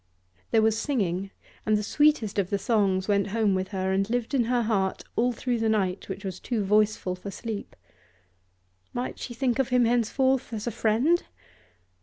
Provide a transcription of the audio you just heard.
There was singing, and the sweetest of the songs went home with her and lived in her heart all through a night which was too voiceful for sleep. Might she think of him henceforth as a friend?